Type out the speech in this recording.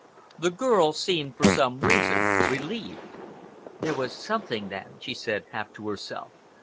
The girl seemed, for some reason, relieved. "There was something, then," she said, half to herself.